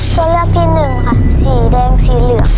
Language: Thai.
ตัวเลือกที่๑ค่ะสีเดงสีเหลือง